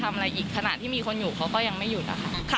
มีคนอยู่เขาก็ยังไม่หยุดอะค่ะ